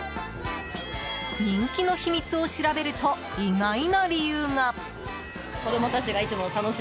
人気の秘密を調べると意外な理由が。